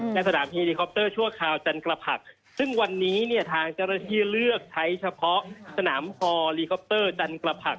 สนามเฮลิคอปเตอร์ชั่วคราวจันกระผักซึ่งวันนี้เนี่ยทางเจ้าหน้าที่เลือกใช้เฉพาะสนามฮอลีคอปเตอร์จันกระผัก